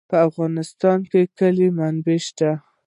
په افغانستان کې د کلي منابع شته.